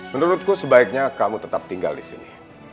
menurutku sebaiknya kamu tetap tinggal di sini